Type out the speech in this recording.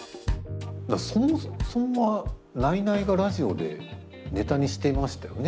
そもそもはナイナイがラジオでネタにしていましたよね。